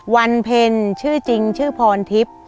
วันเพ็ญชื่อจริงชื่อพรทิพย์